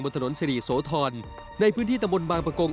บนถนนสรีโสธรในพื้นที่ตะมนต์บางปะกง